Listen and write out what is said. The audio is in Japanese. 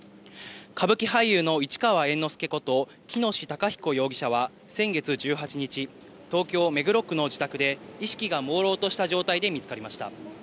歌舞伎俳優の市川猿之助こと喜熨斗孝彦容疑者は先月１８日、東京・目黒区の自宅で意識がもうろうとした状態で見つかりました。